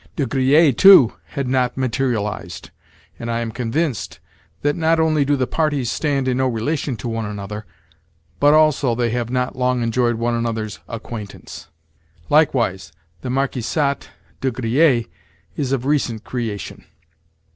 De Griers, too, had not materialised, and I am convinced that not only do the parties stand in no relation to one another, but also they have not long enjoyed one another's acquaintance. Likewise, the Marquisate de Griers is of recent creation.